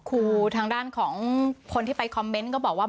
ทางด้านของคนที่ไปคอมเมนต์ก็บอกว่า